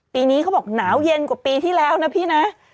ปีนี้เขาบอกหนาวเย็นกว่าปีที่แล้วนะพี่นะ